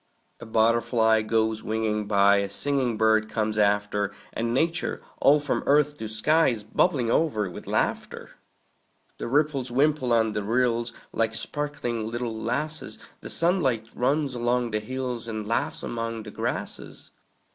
A butterfly goes winging by; A singing bird comes after; And Nature, all from earth to sky, Is bubbling o'er with laughter. The ripples wimple on the rills, Like sparkling little lasses; The sunlight runs along the hills, And laughs among the grasses.